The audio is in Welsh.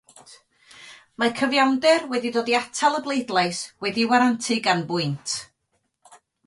Mae cyfiawnder wedi dod i atal y bleidlais, wedi'i warantu gan bwynt.